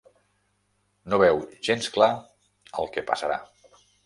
No veu gens clar el que passarà.